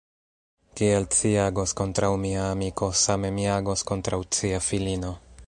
Kiel ci agos kontraŭ mia amiko, same mi agos kontraŭ cia filino.